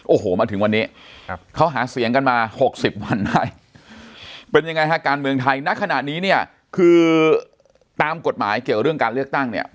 โอ้โหมาถึงวันนี้เขาหาเสียงกันมา๖๐วันได้เป็นยังไงฮะการเมืองไทยณขณะนี้เนี่ยคือตามกฎหมายเกี่ยวเรื่องการเลือกตั้งเนี่ย